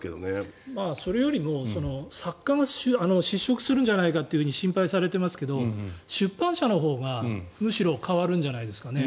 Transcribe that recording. それよりも作家が失職するんじゃないかと心配されていますが出版社のほうがむしろ変わるんじゃないですかね。